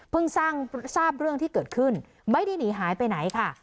ทราบเรื่องที่เกิดขึ้นไม่ได้หนีหายไปไหนค่ะ